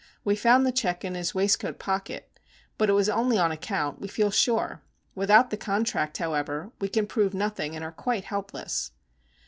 We found the check in his waistcoat pocket; but it was only on account, we feel sure. Without the contract, however, we can prove nothing and are quite helpless.